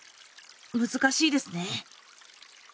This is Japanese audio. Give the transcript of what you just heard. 難しいですね。